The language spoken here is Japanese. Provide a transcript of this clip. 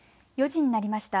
４時になりました。